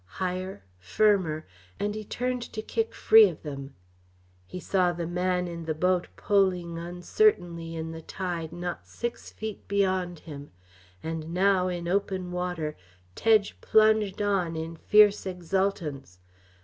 Higher, firmer; and he turned to kick free of them. He saw the man in the boat poling uncertainly in the tide not six feet beyond him. And now, in open water, Tedge plunged on in fierce exultance.